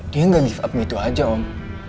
dia enggak give up gitu aja om